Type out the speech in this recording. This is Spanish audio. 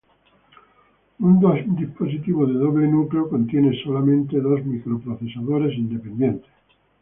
Un dispositivo de doble núcleo contiene solamente dos microprocesadores independientes.